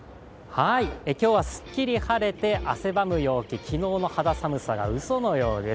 今日はすっきり晴れて汗ばむ陽気、昨日の肌寒さがうそのようです。